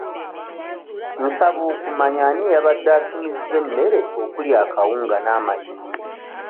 Nsaba kumanya ani eyabadde atumizza emmere okuli akawunga n'amayuuni?